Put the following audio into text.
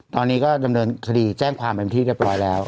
ตอนนี้ก็ดำเนินคดีแจ้งความเป็นที่เรียบร้อยแล้ว